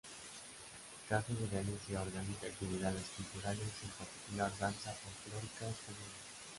Casa de Galicia organiza actividades culturales, en particular danza folclórica española.